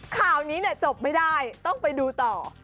ข่าวนี้จบไม่ได้ต้องไปดูต่อ